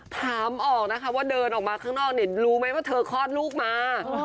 ถามออกนะคะว่าเดินออกมาข้างนอกเนี่ยรู้ไหมว่าเธอคลอดลูกมา